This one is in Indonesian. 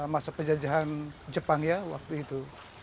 masa penjajahan jepang ya waktu itu